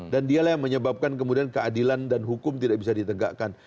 dan dialah yang menyebabkan kemudian keadilan dan hukum tidak bisa ditinggalkan